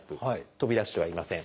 飛び出してはいません。